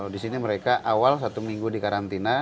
di sini mereka awal satu minggu di karantina